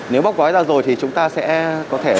nếu bóc quái ra rồi thì chúng ta sẽ có thể để độ